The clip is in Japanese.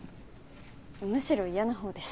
むしろ嫌な方です。